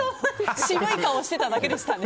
渋い顔してただけでしたね。